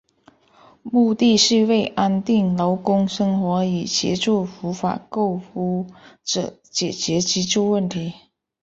目的是为安定劳工生活与协助无法购屋者解决居住问题。